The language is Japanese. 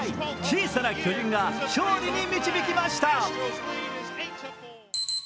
小さな巨人が勝利に導きました。